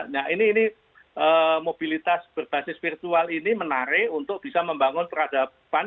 nah ini mobilitas berbasis virtual ini menarik untuk bisa membangun peradaban